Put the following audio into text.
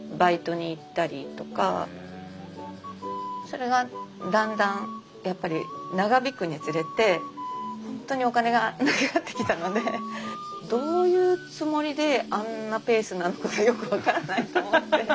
それがだんだんやっぱり長引くにつれて本当にお金が無くなってきたのでどういうつもりであんなペースなのかがよく分からないと思って。